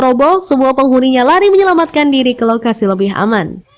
robo semua penghuninya lari menyelamatkan diri ke lokasi lebih aman